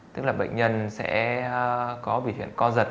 tức là bệnh nhân sẽ có biểu hiện co giật